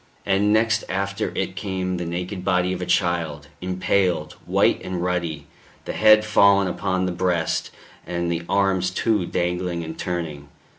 And next after it came the naked body of a child, impaled, white and ruddy, the head fallen upon the breast, and the arms, too, dangling and turning.